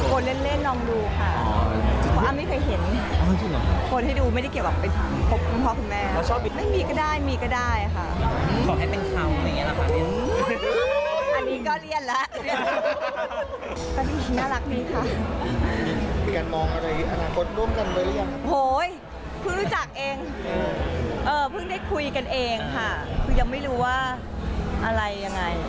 โอ้ยคุณรู้จักเองเออเพิ่งได้คุยกันเองค่ะคุณยังไม่รู้ว่าอะไรยังไง